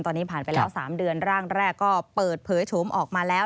ตอนนี้ผ่านไปแล้ว๓เดือนร่างแรกก็เปิดเผยโฉมออกมาแล้ว